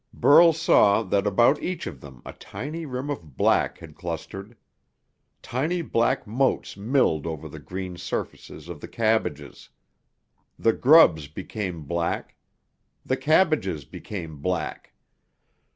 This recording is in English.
Burl saw that about each of them a tiny rim of black had clustered. Tiny black motes milled over the green surfaces of the cabbages. The grubs became black, the cabbages became black.